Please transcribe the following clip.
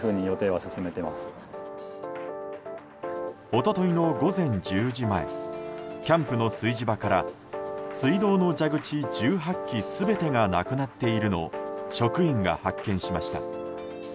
一昨日の午前１０時前キャンプの炊事場から水道の蛇口１８基全てがなくなっているのを職員が発見しました。